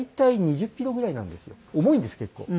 重いんです結構。